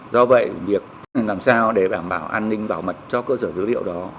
do vậy việc làm sao để đảm bảo an ninh bảo mật cho cơ sở dữ liệu đó